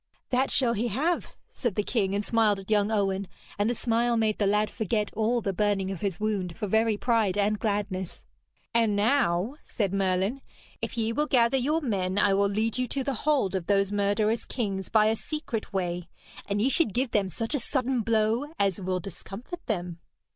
'That shall he have,' said the king, and smiled at young Owen, and the smile made the lad forget all the burning of his wound for very pride and gladness. 'And now,' said Merlin, 'if ye will gather your men I will lead you to the hold of those murderous kings by a secret way, and ye should give them such a sudden blow as will discomfit them.'